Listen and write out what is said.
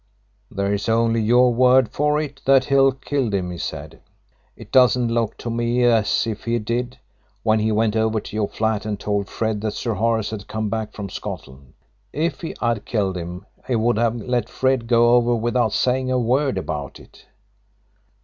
"There is only your word for it that Hill killed him," he said. "It doesn't look to me as if he did, when he went over to your flat and told Fred that Sir Horace had come back from Scotland. If he had killed him he would have let Fred go over without saying a word about it."